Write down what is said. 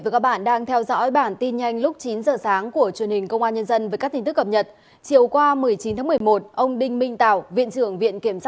cảm ơn các bạn đã theo dõi